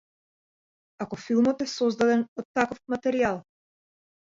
Ако филмот е создаден од таков материјал.